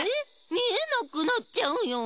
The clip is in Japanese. みえなくなっちゃうよ。